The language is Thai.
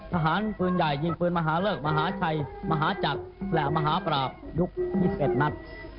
ทหารปืนใหญ่ยิงปืนมหาเลิกมหาชัยมหาจักรและมหาปราบยุค๒๑นัด